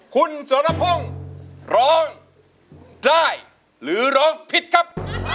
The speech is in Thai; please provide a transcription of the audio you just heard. คุณสรพงศ์ร้องได้หรือร้องผิดครับ